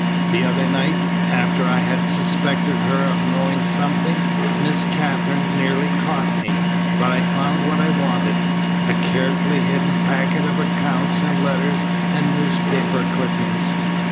The other night, after I had suspected her of knowing something, Miss Katherine nearly caught me. But I found what I wanted a carefully hidden packet of accounts and letters and newspaper clippings.